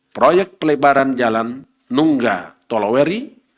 proyek pelebaran jalan nungga toloweri